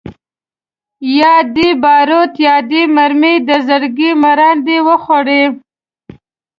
یا دي باروت یا دي مرمۍ د زړګي مراندي وخوري